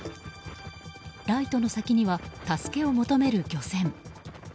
ライトの先には助けを求める漁船。